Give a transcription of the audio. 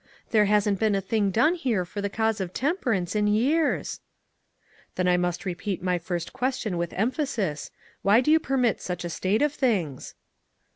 There hasn't been a thing done here for the cause of temperance in years !" "Then I must repeat my first question with emphasis, Why do you permit such a state of things?"